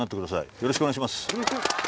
よろしくお願いします